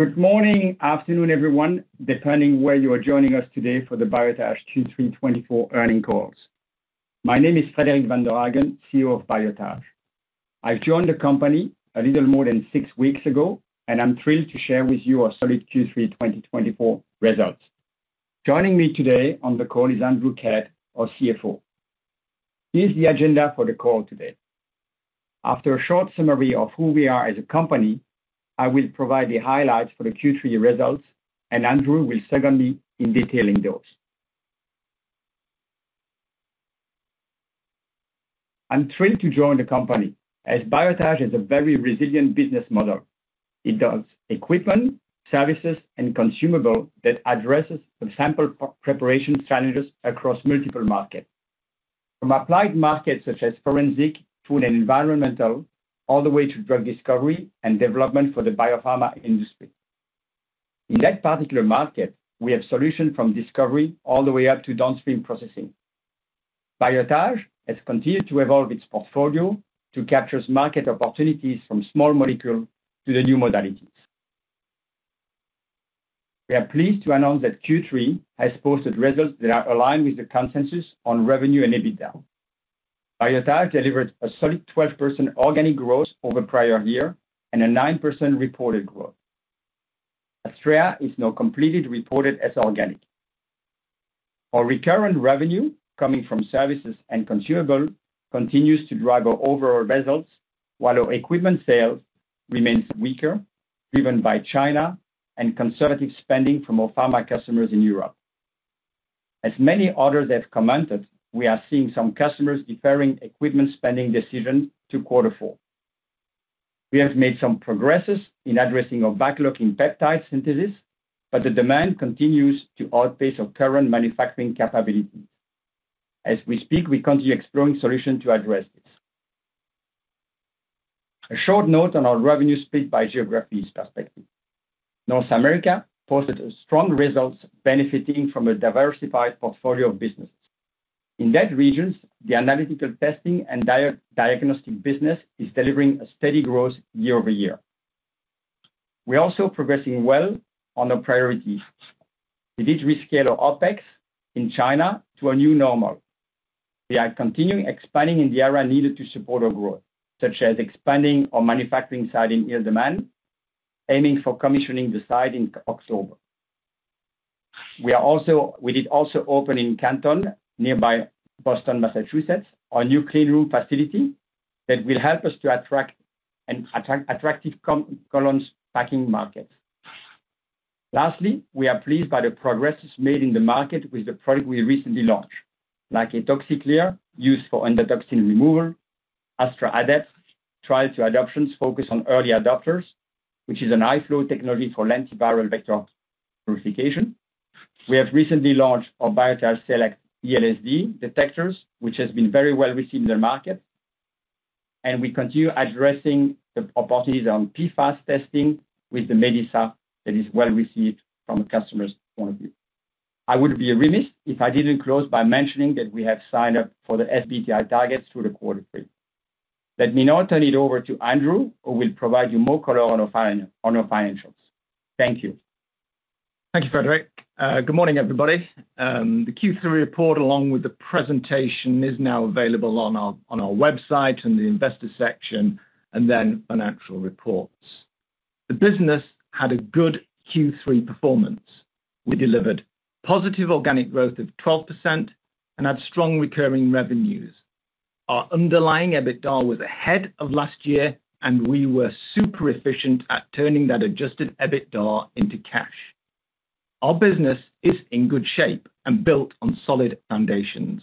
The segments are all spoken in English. Good morning, afternoon, everyone, depending where you are joining us today for the Biotage Q3 2024 earnings call. My name is Frederic Vanderhaegen, CEO of Biotage. I've joined the company a little more than six weeks ago, and I'm thrilled to share with you our solid Q3 2024 results. Joining me today on the call is Andrew Kellett, our CFO. Here's the agenda for the call today. After a short summary of who we are as a company, I will provide the highlights for the Q3 results, and Andrew will second me in detailing those. I'm thrilled to join the company as Biotage is a very resilient business model. It does equipment, services, and consumable that addresses the sample preparation challenges across multiple markets. From applied markets such as forensic, food, and environmental, all the way to drug discovery and development for the biopharma industry. In that particular market, we have solutions from discovery all the way up to downstream processing. Biotage has continued to evolve its portfolio to capture market opportunities from small molecule to the new modalities. We are pleased to announce that Q3 has posted results that are aligned with the consensus on revenue and EBITDA. Biotage delivered a solid 12% organic growth over prior year and a 9% reported growth. Astrea is now completely reported as organic. Our recurring revenue, coming from services and consumables, continues to drive our overall results, while our equipment sales remains weaker, driven by China and conservative spending from our pharma customers in Europe. As many others have commented, we are seeing some customers deferring equipment spending decisions to quarter four. We have made some progress in addressing our backlog in peptide synthesis, but the demand continues to outpace our current manufacturing capability. As we speak, we continue exploring solutions to address this. A short note on our revenue split by geographies perspective. North America posted strong results, benefiting from a diversified portfolio of businesses. In that region, the analytical testing and diagnostic business is delivering steady growth year-over-year. We're also progressing well on our priorities. We did rescale our OpEx in China to a new normal. We are continuing expanding in the area needed to support our growth, such as expanding our manufacturing site in Isle of Man, aiming for commissioning the site in October. We also did open in Canton, nearby Boston, Massachusetts, our new clean room facility that will help us to attract attractive column packing market. Lastly, we are pleased by the progress made in the market with the product we recently launched, like EtoxiClear, used for endotoxin removal. Astrea-adapt trials to adoptions focus on early adopters, which is a high-flow technology for lentiviral vector purification. We have recently launched our Biotage Selekt ELSD detectors, which has been very well received in the market, and we continue addressing the opportunities on PFAS testing with the MediSA, that is well received from a customer's point of view. I would be remiss if I didn't close by mentioning that we have signed up for the SBTi targets through the quarter three. Let me now turn it over to Andrew, who will provide you more color on our financials. Thank you. Thank you, Frederic. Good morning, everybody. The Q3 report, along with the presentation, is now available on our website, in the investor section, and then on annual reports. The business had a good Q3 performance. We delivered positive organic growth of 12% and had strong recurring revenues. Our underlying EBITDA was ahead of last year, and we were super efficient at turning that adjusted EBITDA into cash. Our business is in good shape and built on solid foundations.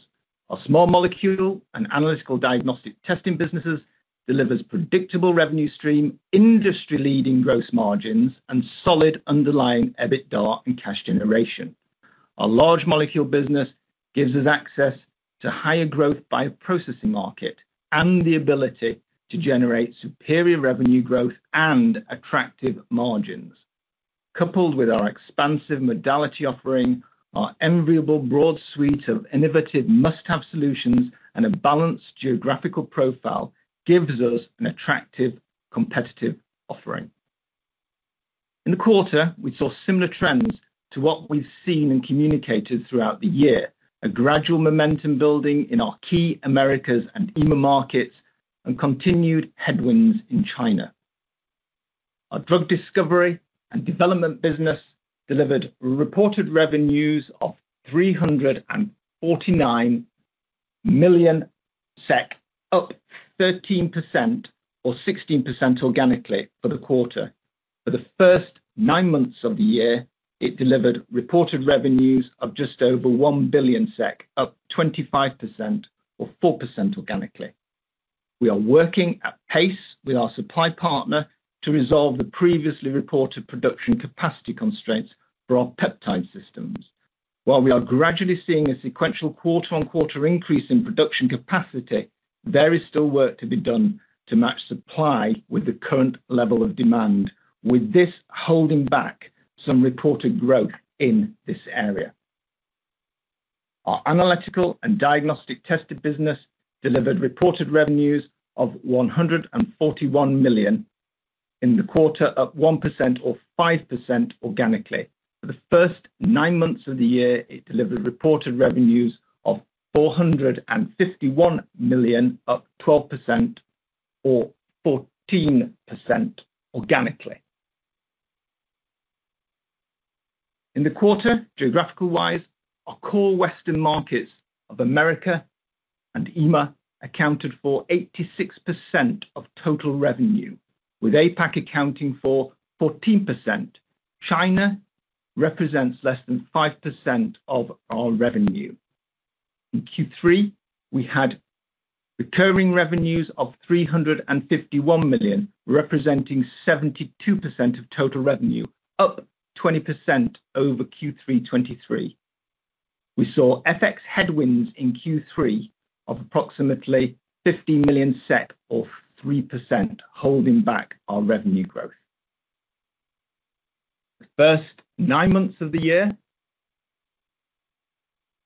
Our small molecule and analytical diagnostic testing businesses delivers predictable revenue stream, industry-leading gross margins, and solid underlying EBITDA and cash generation. Our large molecule business gives us access to higher growth bioprocessing market and the ability to generate superior revenue growth and attractive margins. Coupled with our expansive modality offering, our enviable broad suite of innovative must-have solutions and a balanced geographical profile gives us an attractive competitive offering. In the quarter, we saw similar trends to what we've seen and communicated throughout the year, a gradual momentum building in our key Americas and EMEA markets and continued headwinds in China. Our drug discovery and development business delivered reported revenues of 349 million SEK, up 13% or 16% organically for the quarter. For the first nine months of the year, it delivered reported revenues of just over 1 billion SEK, up 25% or 4% organically. We are working at pace with our supply partner to resolve the previously reported production capacity constraints for our peptide systems. While we are gradually seeing a sequential quarter-on-quarter increase in production capacity, there is still work to be done to match supply with the current level of demand, with this holding back some reported growth in this area. Our analytical and diagnostic testing business delivered reported revenues of 141 million in the quarter, up 1% or 5% organically. For the first nine months of the year, it delivered reported revenues of 451 million, up 12% or 14% organically. In the quarter, geographically, our core Western markets of Americas and EMEA accounted for 86% of total revenue, with APAC accounting for 14%. China represents less than 5% of our revenue. In Q3, we had recurring revenues of 351 million, representing 72% of total revenue, up 20% over Q3 2023. We saw FX headwinds in Q3 of approximately 50 million SEK, or 3%, holding back our revenue growth. The first 9 months of the year,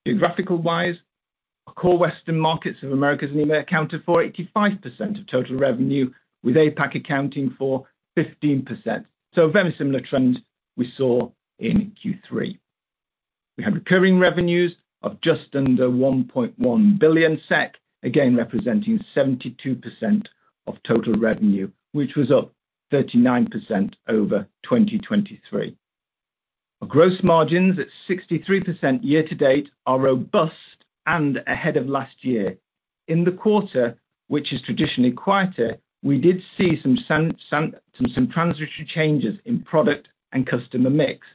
geography-wise, our core Western markets of Americas and EMEA accounted for 85% of total revenue, with APAC accounting for 15%. So a very similar trend we saw in Q3. We had recurring revenues of just under 1.1 billion SEK, again, representing 72% of total revenue, which was up 39% over 2023. Our gross margins at 63% year-to-date are robust and ahead of last year. In the quarter, which is traditionally quieter, we did see some transitory changes in product and customer mix.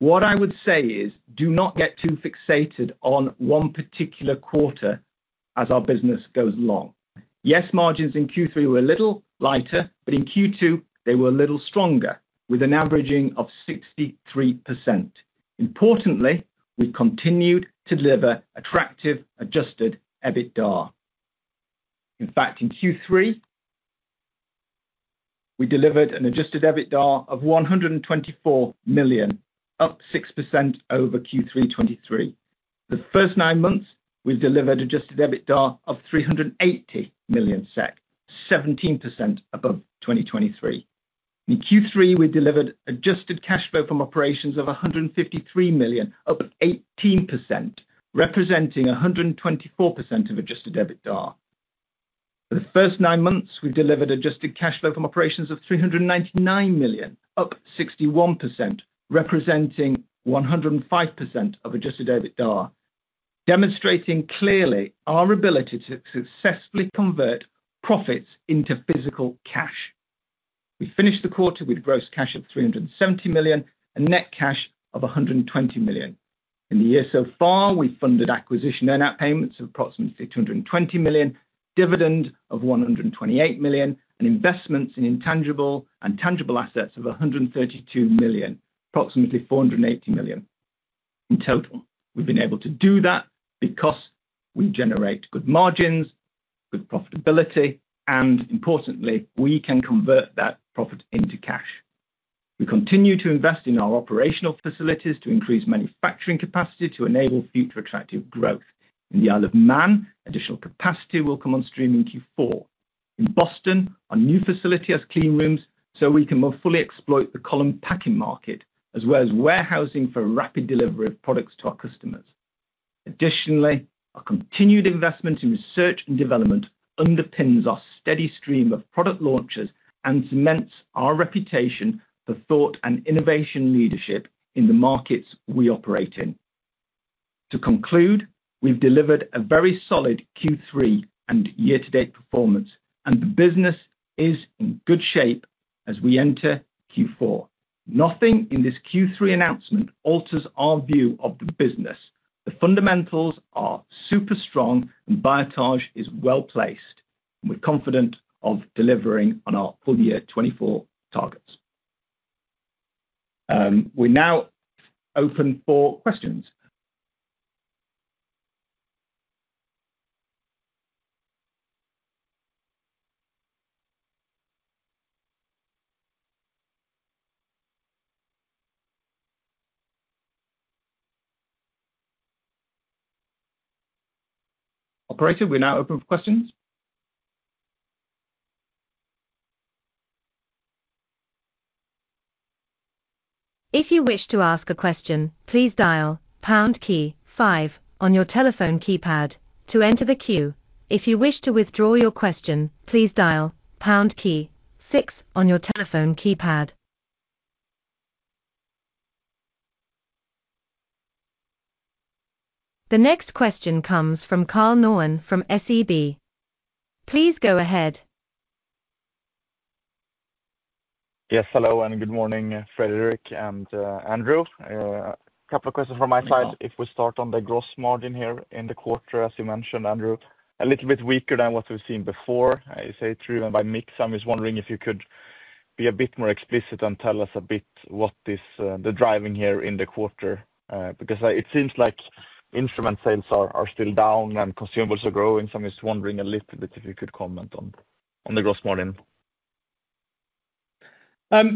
What I would say is, do not get too fixated on one particular quarter as our business goes along. Yes, margins in Q3 were a little lighter, but in Q2, they were a little stronger, with an averaging of 63%. Importantly, we continued to deliver attractive adjusted EBITDA. In fact, in Q3, we delivered an adjusted EBITDA of 124 million, up 6% over Q3 2023. The first nine months, we've delivered adjusted EBITDA of 380 million SEK, 17% above 2023. In Q3, we delivered adjusted cash flow from operations of 153 million, up 18%, representing 124% of adjusted EBITDA. For the first nine months, we delivered adjusted cash flow from operations of 399 million, up 61%, representing 105% of adjusted EBITDA, demonstrating clearly our ability to successfully convert profits into physical cash. We finished the quarter with gross cash of 370 million and net cash of 120 million. In the year so far, we funded acquisition earn-out payments of approximately 220 million, dividend of 128 million, and investments in intangible and tangible assets of 132 million, approximately 480 million in total. We've been able to do that because we generate good margins, good profitability, and importantly, we can convert that profit into cash. We continue to invest in our operational facilities to increase manufacturing capacity to enable future attractive growth. In the Isle of Man, additional capacity will come on stream in Q4. In Boston, our new facility has clean rooms, so we can more fully exploit the column packing market, as well as warehousing for rapid delivery of products to our customers. Additionally, our continued investment in research and development underpins our steady stream of product launches and cements our reputation for thought and innovation leadership in the markets we operate in. To conclude, we've delivered a very solid Q3 and year-to-date performance, and the business is in good shape as we enter Q4. Nothing in this Q3 announcement alters our view of the business. The fundamentals are super strong, and Biotage is well-placed, and we're confident of delivering on our full year twenty-four targets. We're now open for questions. Operator, we're now open for questions. If you wish to ask a question, please dial pound key five on your telephone keypad to enter the queue. If you wish to withdraw your question, please dial pound key six on your telephone keypad. The next question comes from Karl Norén from SEB. Please go ahead. Yes, hello, and good morning, Frederic and Andrew. A couple of questions from my side. If we start on the gross margin here in the quarter, as you mentioned, Andrew, a little bit weaker than what we've seen before. I say driven by mix. I'm just wondering if you could be a bit more explicit and tell us a bit what is the driving here in the quarter, because it seems like instrument sales are still down and consumables are growing. So I'm just wondering a little bit if you could comment on the gross margin.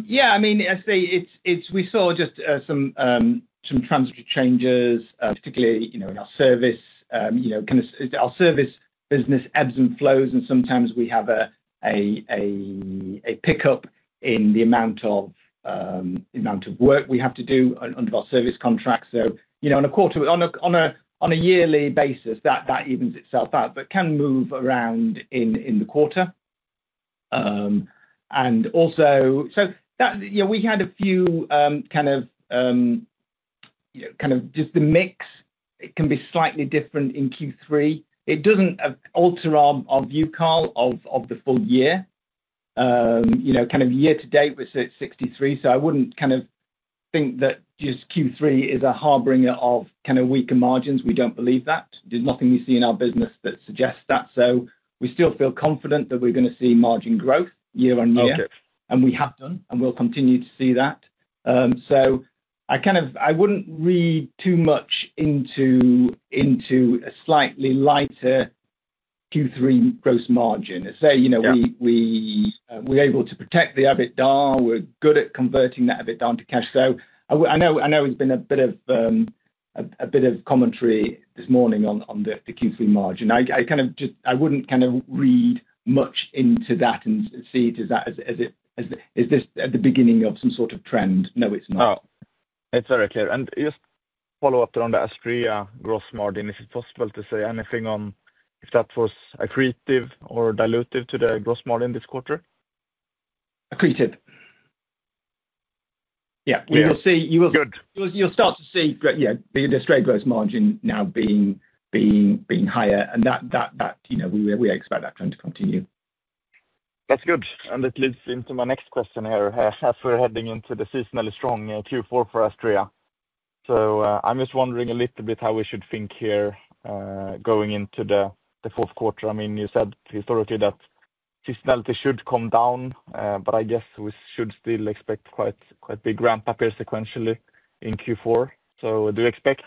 Yeah, I mean, I'd say it's we saw just some transitory changes, particularly, you know, in our service. You know, kind of our service business ebbs and flows, and sometimes we have a pickup in the amount of work we have to do under our service contract. So, you know, on a yearly basis, that evens itself out, but can move around in the quarter. And also, so that, you know, we had a few kind of just the mix, it can be slightly different in Q3. It doesn't alter our view, Karl, of the full year. You know, kind of year to date, we're at 63, so I wouldn't kind of think that just Q3 is a harbinger of kind of weaker margins. We don't believe that. There's nothing we see in our business that suggests that. So we still feel confident that we're going to see margin growth year-on-year. We have done, and we'll continue to see that. I wouldn't read too much into a slightly lighter Q3 gross margin. I'd say, you know we're able to protect the EBITDA. We're good at converting that EBITDA to cash. So I know there's been a bit of commentary this morning on the Q3 margin. I kind of just wouldn't kind of read much into that and see it as that, is this at the beginning of some sort of trend? No, it's not. Oh, it's very clear, and just follow up around the Astrea gross margin. Is it possible to say anything on if that was accretive or dilutive to the gross margin this quarter? Accretive. Yeah. You'll start to see great, yeah, the straight gross margin now being higher, and that, you know, we expect that trend to continue. That's good, and it leads into my next question here. As we're heading into the seasonally strong Q4 for Astrea, so I'm just wondering a little bit how we should think here, going into the fourth quarter. I mean, you said historically that seasonality should come down, but I guess we should still expect quite, quite big ramp up sequentially in Q4, so do you expect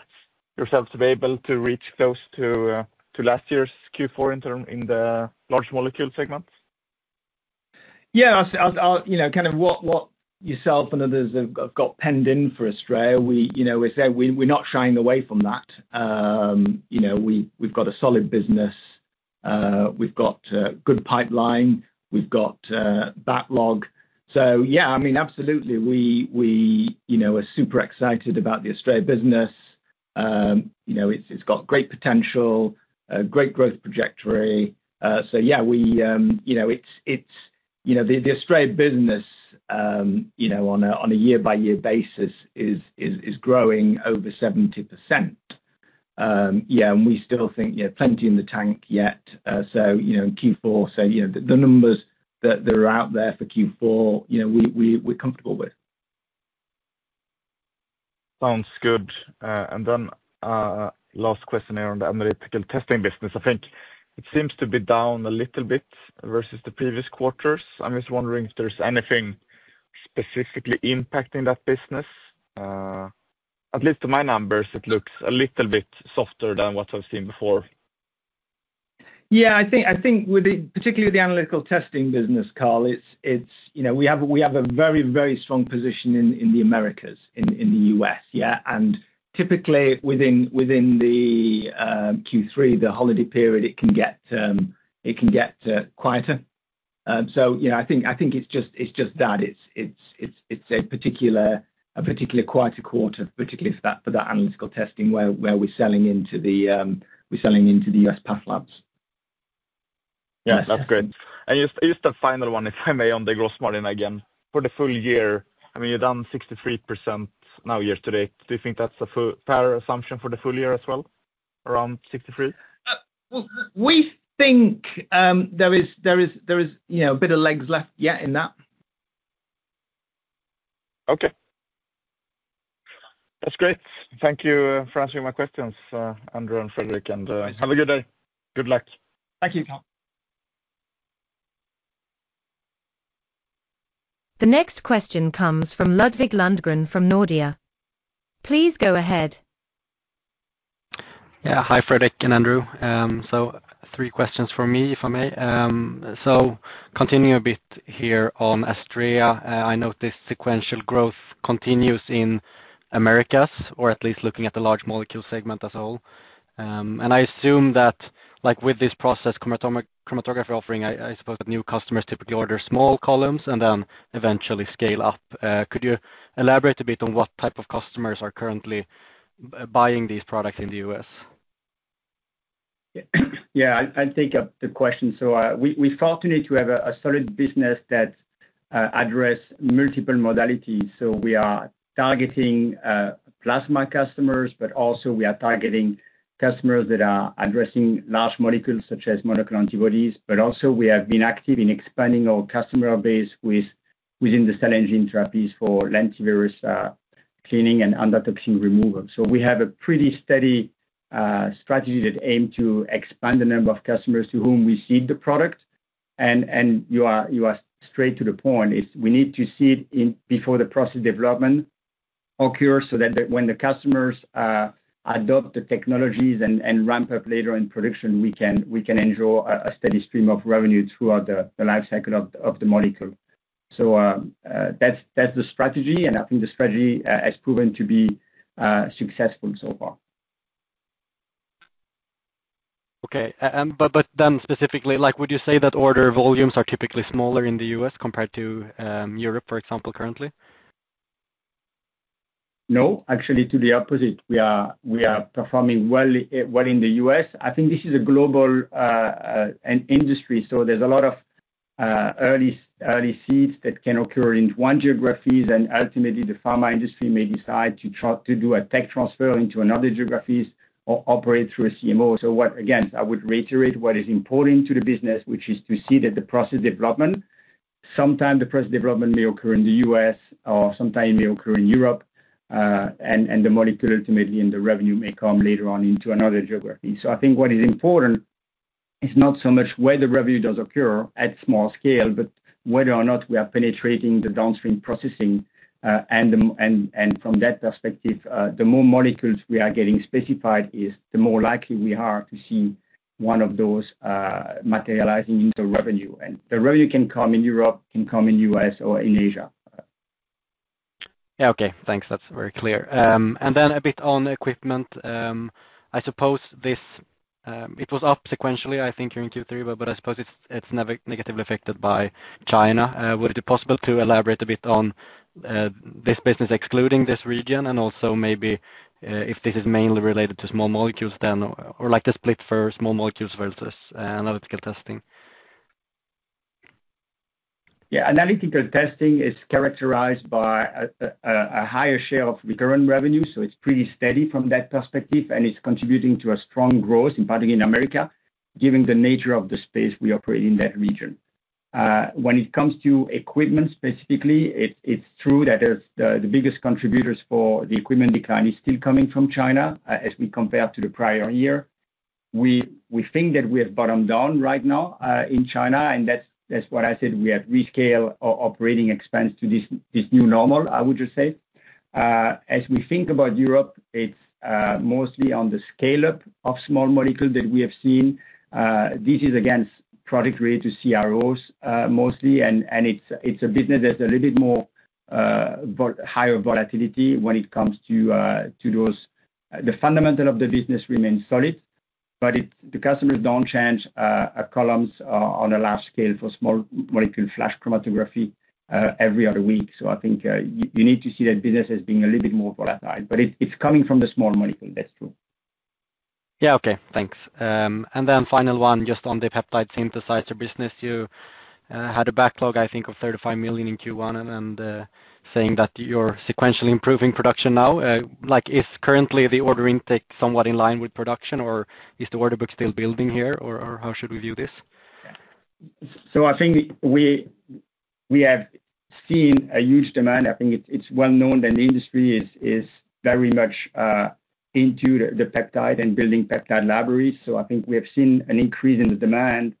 yourselves to be able to reach close to last year's Q4 in term, in the large molecule segments? Yeah, I'll say. You know, kind of what yourself and others have got penned in for Astrea, we, you know, we say we're not shying away from that. You know, we've got a solid business. We've got a good pipeline. We've got backlog. So yeah, I mean, absolutely, we, you know, are super excited about the Astrea business. You know, it's got great potential, a great growth trajectory. So yeah, we, you know, it's. You know, the Astrea business, you know, on a year-by-year basis, is growing over 70%. Yeah, and we still think, yeah, plenty in the tank yet. So, you know, in Q4, so, you know, the numbers that are out there for Q4, you know, we, we're comfortable with. Sounds good. And then, last question here on the analytical testing business. I think it seems to be down a little bit versus the previous quarters. I'm just wondering if there's anything specifically impacting that business. At least to my numbers, it looks a little bit softer than what I've seen before. Yeah, I think, I think with the particularly the analytical testing business, Karl, it's you know we have a very very strong position in the Americas in the U.S. yeah, and typically within the Q3 the holiday period it can get quieter, so you know I think it's just that. It's a particular quieter quarter particularly for that analytical testing where we're selling into the U.S. path labs. Yeah, that's great. Just a final one, if I may, on the gross margin again. For the full year, I mean, you're down 63% now year to date. Do you think that's a fair assumption for the full year as well, around 63%? Well, we think there is, you know, a bit of legs left, yeah, in that. Okay. That's great. Thank you for answering my questions, Andrew and Frederic, and have a good day. Good luck. Thank you, Karl. The next question comes from Ludwig Lundgren from Nordea. Please go ahead. Yeah. Hi, Frederic and Andrew. So three questions for me, if I may. So continuing a bit here on Astrea, I note this sequential growth continues in Americas, or at least looking at the large molecule segment as a whole. And I assume that, like, with this process chromatography offering, I suppose that new customers typically order small columns and then eventually scale up. Could you elaborate a bit on what type of customers are currently buying these products in the U.S.? Yeah, I'll take up the question. So, we're fortunate to have a solid business that address multiple modalities. So we are targeting plasma customers, but also we are targeting customers that are addressing large molecules, such as monoclonal antibodies. But also we have been active in expanding our customer base within the cell and gene therapies for lentiviral vector cleaning and endotoxin removal. So we have a pretty steady strategy that aim to expand the number of customers to whom we seed the product. And you are straight to the point, we need to seed it in before the process development occur so that when the customers adopt the technologies and ramp up later in production, we can enjoy a steady stream of revenue throughout the life cycle of the molecule. That's the strategy, and I think the strategy has proven to be successful so far. Okay. But then specifically, like, would you say that order volumes are typically smaller in the U.S. compared to Europe, for example, currently? No, actually to the opposite. We are performing well in the U.S. I think this is a global industry, so there's a lot of early seeds that can occur in one geographies, and ultimately the pharma industry may decide to try to do a tech transfer into another geographies or operate through a CMO. So, again, I would reiterate what is important to the business, which is to see that the process development, sometimes may occur in the U.S., or sometimes may occur in Europe, and the molecule ultimately, and the revenue may come later on into another geography. So I think what is important is not so much where the revenue does occur at small scale, but whether or not we are penetrating the downstream processing. From that perspective, the more molecules we are getting specified is, the more likely we are to see one of those materializing into revenue. The revenue can come in Europe, can come in US or in Asia. Yeah. Okay, thanks. That's very clear, and then a bit on equipment. I suppose it was up sequentially, I think, during Q3, but I suppose it's negatively affected by China. Would it be possible to elaborate a bit on this business excluding this region, and also maybe if this is mainly related to small molecules then, or like the split for small molecules versus analytical testing? Yeah. Analytical testing is characterized by a higher share of recurring revenue, so it's pretty steady from that perspective, and it's contributing to a strong growth, in particular in America, given the nature of the space we operate in that region. When it comes to equipment specifically, it's true that the biggest contributors for the equipment decline is still coming from China, as we compare to the prior year. We think that we have bottomed down right now in China, and that's what I said, we have rescaled our operating expense to this new normal, I would just say. As we think about Europe, it's mostly on the scale-up of small molecule that we have seen. This is a consumables product related to CROs, mostly, and it's a business that's a little bit more volatile when it comes to those. The fundamentals of the business remain solid, but the customers don't change columns on a large scale for small molecule flash chromatography every other week. So I think you need to see that business as being a little bit more volatile, but it's coming from the small molecule, that's true. Yeah. Okay. Thanks. And then final one, just on the peptide synthesizer business. You had a backlog, I think, of 35 million in Q1, and then saying that you're sequentially improving production now. Like, is currently the ordering take somewhat in line with production, or is the order book still building here, or how should we view this? So I think we have seen a huge demand. I think it's well known that the industry is very much into the peptide and building peptide libraries. So I think we have seen an increase in the demand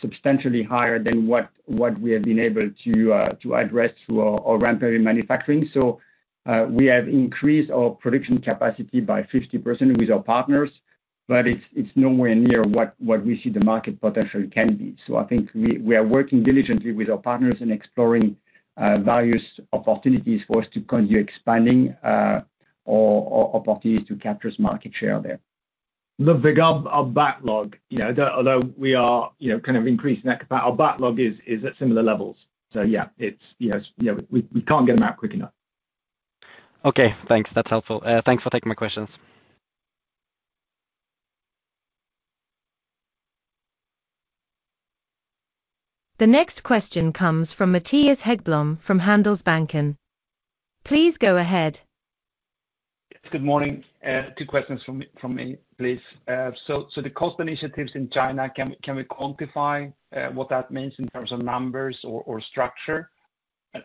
substantially higher than what we have been able to address through our ramp manufacturing. So we have increased our production capacity by 50% with our partners, but it's nowhere near what we see the market potential can be. So I think we are working diligently with our partners and exploring various opportunities for us to continue expanding opportunities to capture market share there. Look, regarding our backlog, you know, although we are, you know, kind of increasing that capacity, our backlog is at similar levels. So yeah, it's, you know, we can't get them out quick enough. Okay, thanks. That's helpful. Thanks for taking my questions. The next question comes from Mattias Häggblom, from Handelsbanken. Please go ahead. Good morning. Two questions from me, please. So the cost initiatives in China, can we quantify what that means in terms of numbers or structure?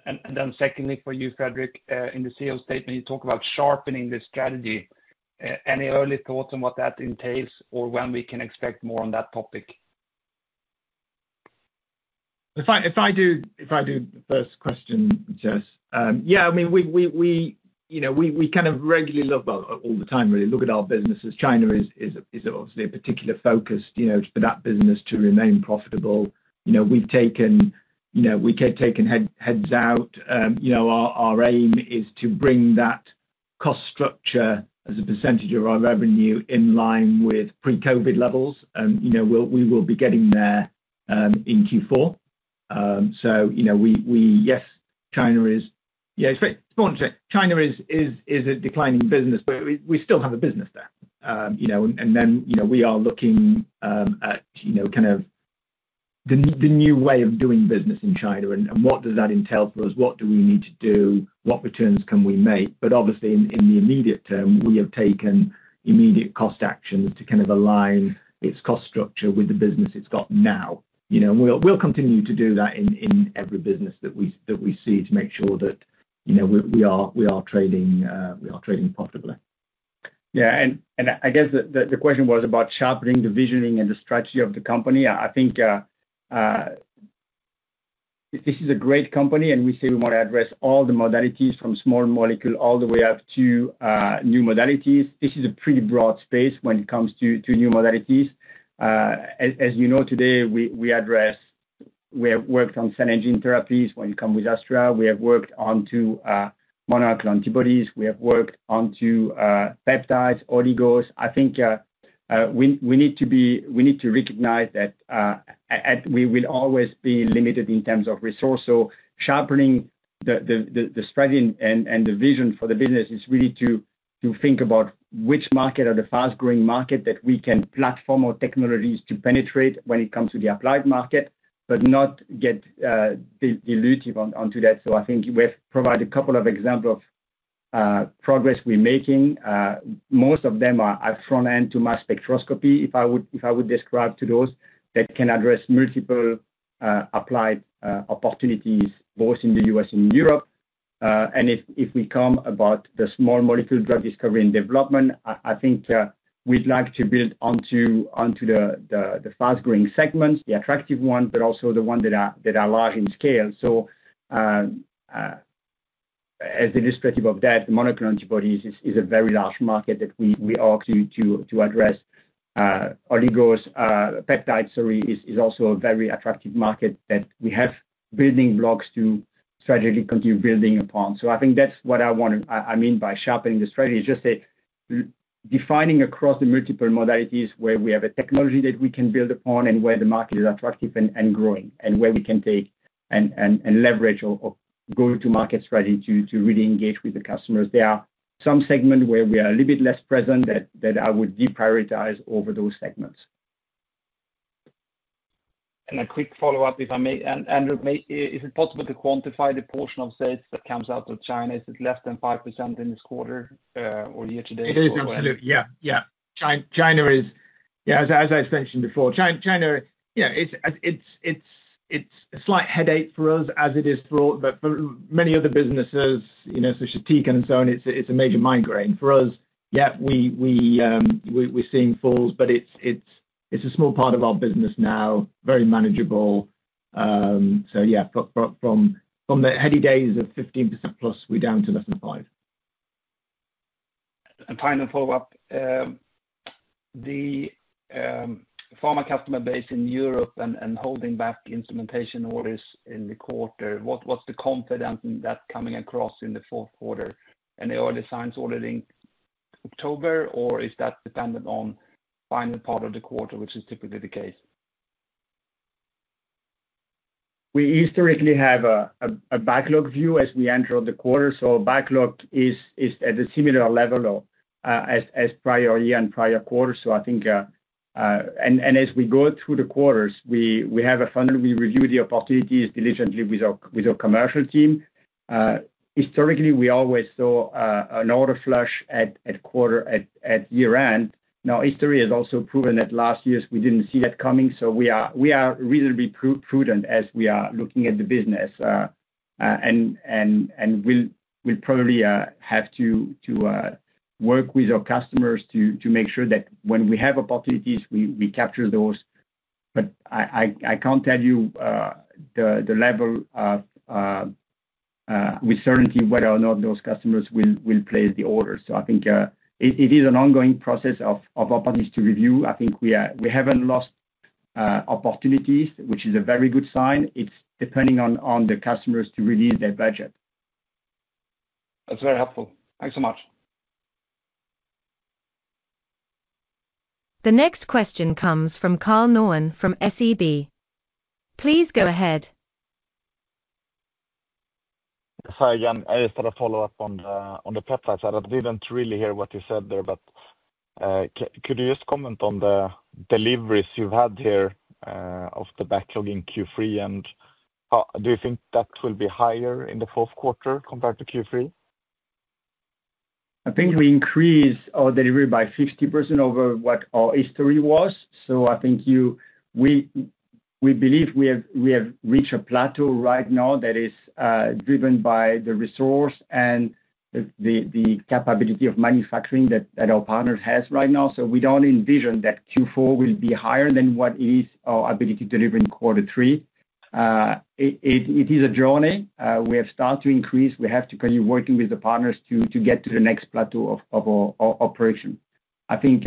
And then secondly, for you, Frederic, in the CEO statement, you talk about sharpening the strategy. Any early thoughts on what that entails or when we can expect more on that topic? If I do the first question, Jess, yeah, I mean, we kind of regularly look, well, all the time really, look at our businesses. China is obviously a particular focus, you know, for that business to remain profitable. You know, we've taken, you know, we kept taking heads out. You know, our aim is to bring that cost structure as a percentage of our revenue in line with pre-COVID levels. You know, we will be getting there in Q4. Yeah, China is a declining business, but we still have a business there. You know, and then, you know, we are looking at, you know, kind of the new way of doing business in China, and what does that entail for us? What do we need to do? What returns can we make? But obviously, in the immediate term, we have taken immediate cost actions to kind of align its cost structure with the business it's got now. You know, we'll continue to do that in every business that we see, to make sure that, you know, we are trading profitably. Yeah, and I guess the question was about sharpening the vision and the strategy of the company. I think this is a great company, and we say we want to address all the modalities from small molecule all the way up to new modalities. This is a pretty broad space when it comes to new modalities. As you know, today we address. We have worked on gene therapies with Astrea. We have worked on monoclonal antibodies. We have worked on peptides, oligos. I think we need to recognize that we will always be limited in terms of resource. Sharpening the strategy and the vision for the business is really to think about which market are the fast-growing market that we can platform our technologies to penetrate when it comes to the applied market, but not get dilutive onto that. I think we've provided a couple of examples of progress we're making. Most of them are at front end to mass spectrometry, if I would describe those that can address multiple applied opportunities, both in the U.S. and Europe. And if we come about the small molecule drug discovery and development, I think we'd like to build onto the fast-growing segments, the attractive ones, but also the ones that are large in scale. So, as illustrative of that, monoclonal antibodies is a very large market that we are to address. Oligos, peptides, sorry, is also a very attractive market that we have building blocks to strategically continue building upon. So I think that's what I want to. I mean, by sharpening the strategy. It's just that defining across the multiple modalities where we have a technology that we can build upon and where the market is attractive and growing, and where we can take and leverage or go to market strategy to really engage with the customers. There are some segments where we are a little bit less present that I would deprioritize over those segments. A quick follow-up, if I may. Is it possible to quantify the portion of sales that comes out of China? Is it less than 5% in this quarter, or year-to=date? It is, absolutely. Yeah, yeah. China is. Yeah, as I mentioned before, China, yeah, it's a slight headache for us as it is for, but for many other businesses, you know, so Tecan and so on, it's a major migraine. For us, yeah, we're seeing falls, but it's a small part of our business now, very manageable. So yeah, from the heady days of 15%+, we're down to less than 5%. Final follow-up. The pharma customer base in Europe and holding back instrumentation orders in the quarter, what's the confidence in that coming across in the fourth quarter? Any early signs already in October, or is that dependent on final part of the quarter, which is typically the case? We historically have a backlog view as we enter the quarter, so backlog is at a similar level as prior year and prior quarters. So I think, and as we go through the quarters, we have a funnel, and we review the opportunities diligently with our commercial team. Historically, we always saw an order flush at quarter-end, at year-end. Now, history has also proven that last year we didn't see that coming, so we are reasonably prudent as we are looking at the business, and we'll probably have to work with our customers to make sure that when we have opportunities, we capture those. But I can't tell you the level of with certainty whether or not those customers will place the order. So I think it is an ongoing process of opportunities to review. I think we are we haven't lost opportunities, which is a very good sign. It's depending on the customers to release their budget. That's very helpful. Thanks so much. The next question comes from Karl Norén from SEB. Please go ahead. Hi again. I just had a follow-up on the, on the peptide side. I didn't really hear what you said there, but, could you just comment on the deliveries you've had here, of the backlog in Q3? And, do you think that will be higher in the fourth quarter compared to Q3? I think we increased our delivery by 50% over what our history was. So I think we, we believe we have, we have reached a plateau right now that is driven by the resource and the capability of manufacturing that our partners has right now. So we don't envision that Q4 will be higher than what is our ability to deliver in quarter three. It is a journey. We have started to increase. We have to continue working with the partners to get to the next plateau of our operation. I think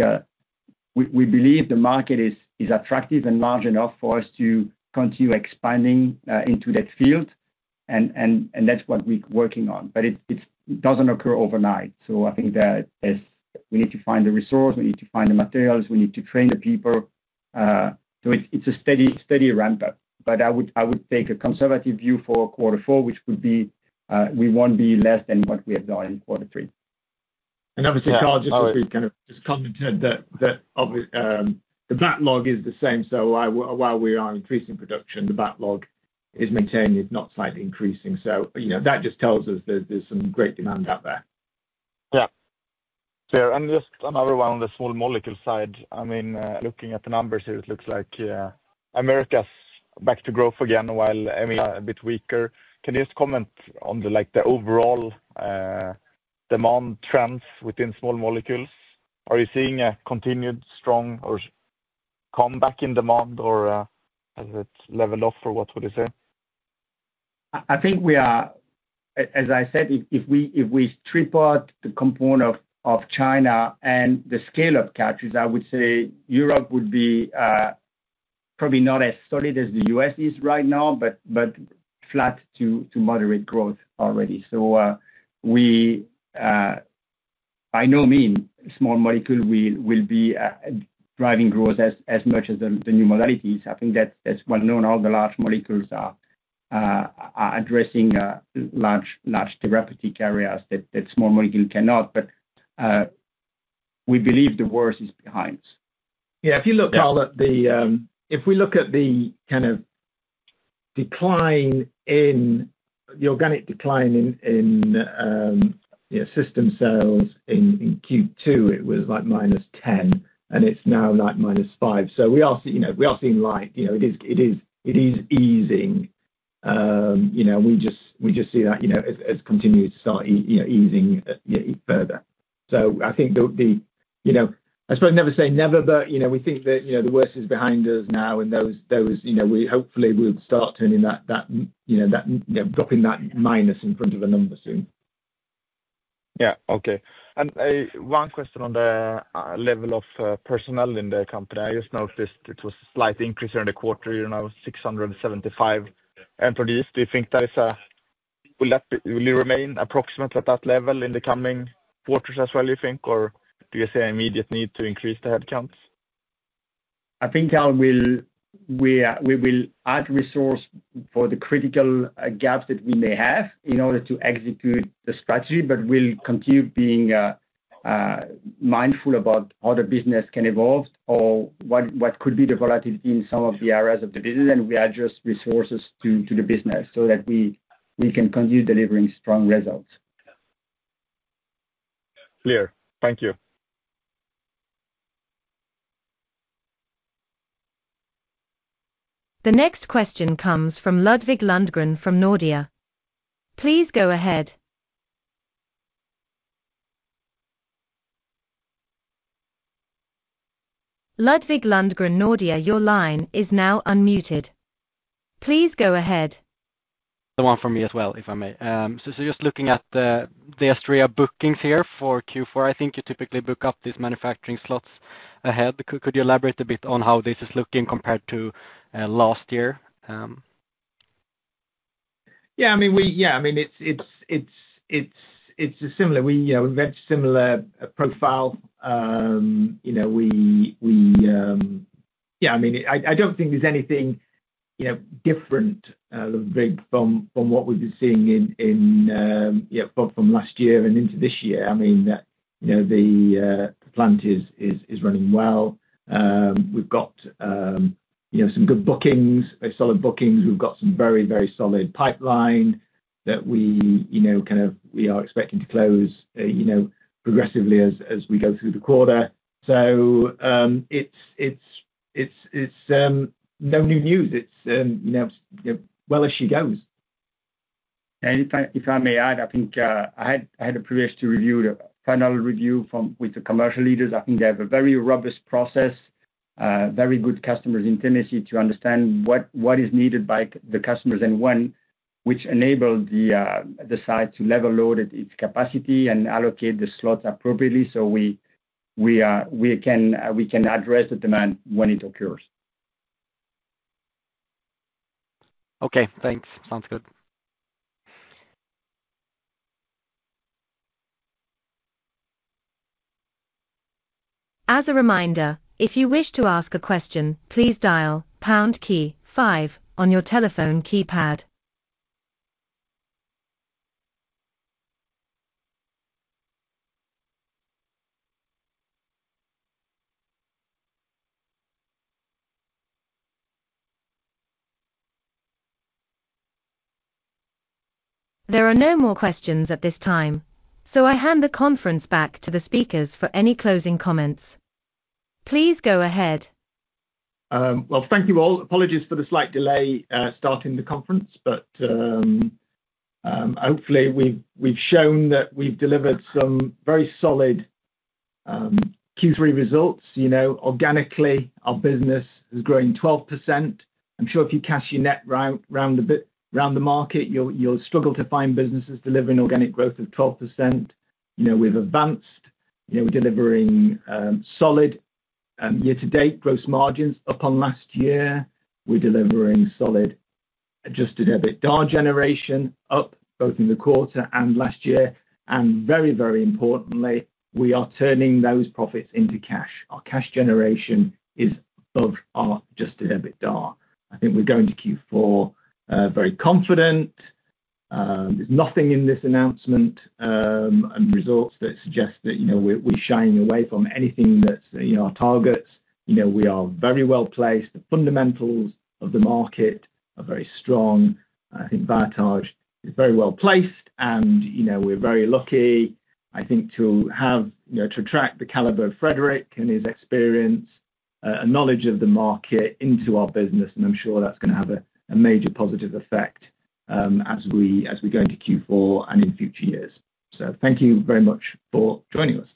we believe the market is attractive and large enough for us to continue expanding into that field, and that's what we're working on. But it doesn't occur overnight. So I think that as we need to find the resource, we need to find the materials, we need to train the people. So it's a steady, steady ramp-up. But I would take a conservative view for quarter four, which would be we won't be less than what we have done in quarter three. Obviously, Karl, just to kind of just comment on that, that's obvious, the backlog is the same. So while we are increasing production, the backlog is maintaining, it's now slightly increasing. So you know, that just tells us there's some great demand out there. Yeah. Sure, and just another one on the small molecule side. I mean, looking at the numbers here, it looks like, Americas back to growth again, while, I mean, a bit weaker. Can you just comment on the, like, the overall, demand trends within small molecules? Are you seeing a continued strong or comeback in demand, or, has it leveled off, or what would you say? I think we are as I said, if we strip out the component of China and the scale of countries, I would say Europe would be probably not as solid as the U.S. is right now, but flat to moderate growth already. So, we by no means will small molecule be driving growth as much as the new modalities. I think that's well known. All the large molecules are addressing large therapy areas that small molecule cannot. But we believe the worst is behind us. Yeah, if you look, Karl, at the. If we look at the kind of decline in the organic decline in, in you know, system sales in, in Q2, it was like -10, and it's now like -5. So we are, you know, we are seeing light, you know, it is, it is, it is easing. You know, we just, we just see that, you know, as continuing to, you know, easing further. So I think there would be, you know, I suppose never say never, but, you know, we think that, you know, the worst is behind us now, and those, you know, we hopefully will start turning that, you know, that dropping that minus in front of the numbers soon. Yeah. Okay. And one question on the level of personnel in the company. I just noticed it was a slight increase during the quarter, you know, 675 employees. Do you think that will remain approximately at that level in the coming quarters as well, you think? Or do you see an immediate need to increase the headcounts? I think, Karl, we will add resources for the critical gaps that we may have in order to execute the strategy, but we'll continue being mindful about how the business can evolve or what could be the volatility in some of the areas of the business, and we adjust resources to the business so that we can continue delivering strong results. Clear. Thank you. The next question comes from Ludwig Lundgren from Nordea. Please go ahead. Ludwig Lundgren, Nordea, your line is now unmuted. Please go ahead. The one from me as well, if I may, so just looking at the Astrea bookings here for Q4, I think you typically book up these manufacturing slots ahead. Could you elaborate a bit on how this is looking compared to last year? Yeah, I mean, it's similar. We've got similar profile. Yeah, I mean, I don't think there's anything, you know, different, Ludwig, from what we've been seeing in, yeah, from last year and into this year. I mean, you know, the plant is running well. We've got, you know, some good bookings, very solid bookings. We've got some very solid pipeline that we, you know, kind of, we are expecting to close, you know, progressively as we go through the quarter. So, it's no new news. It's, you know, well, as it goes. And if I may add, I think I had a privilege to review the final review with the commercial leaders. I think they have a very robust process, very good customer intimacy to understand what is needed by the customers, and one which enabled the site to level load its capacity and allocate the slots appropriately, so we can address the demand when it occurs. Okay, thanks. Sounds good. As a reminder, if you wish to ask a question, please dial pound key five on your telephone keypad. There are no more questions at this time, so I hand the conference back to the speakers for any closing comments. Please go ahead. Well, thank you all. Apologies for the slight delay starting the conference, but hopefully we've shown that we've delivered some very solid Q3 results. You know, organically, our business is growing 12%. I'm sure if you cast your net around a bit around the market, you'll struggle to find businesses delivering organic growth of 12%. You know, we've advanced. You know, we're delivering solid year-to-date gross margins over last year. We're delivering solid adjusted EBITDA generation, up both in the quarter and last year. Very, very importantly, we are turning those profits into cash. Our cash generation is above our adjusted EBITDA. I think we're going to Q4 very confident. There's nothing in this announcement and results that suggest that, you know, we're shying away from anything that's, you know, our targets. You know, we are very well placed. The fundamentals of the market are very strong. I think Biotage is very well placed, and, you know, we're very lucky, I think, to have, you know, to attract the caliber of Frederic and his experience, and knowledge of the market into our business, and I'm sure that's gonna have a major positive effect, as we, as we go into Q4 and in future years. So thank you very much for joining us.